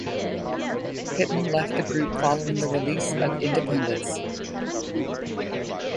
Pittman left the group following the release of "Independence".